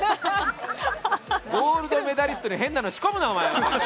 ゴールドメダリストに変なもの仕込むな！